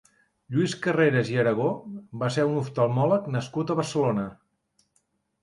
Lluís Carreras i Aragó va ser un oftalmòleg nascut a Barcelona.